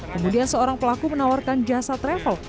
kemudian seorang pelaku menawarkan jasa travel